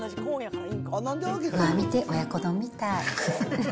見て、親子丼みたい。